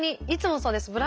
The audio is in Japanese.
いつもそうです。